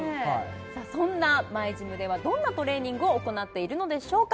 そんなＭｙＧｙｍではどんなトレーニングを行っているのでしょうか